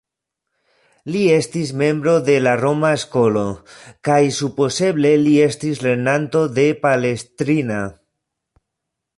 Li estis membro de la Roma Skolo, kaj supozeble li estis lernanto de Palestrina.